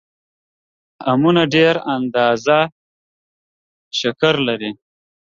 امونه ډېره اندازه شکر لري